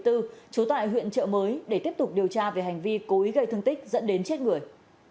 trú tại huyện trợ mới để tiếp tục điều tra về hành vi cố ý gây thương tích dẫn đến chết người